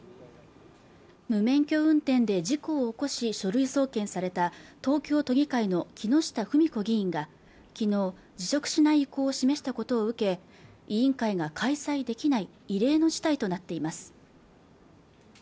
無免許運転で事故を起こし書類送検された東京都議会の木下富美子議員が昨日辞職しない意向を示したことを受け委員会が開催できない異例の事態となっています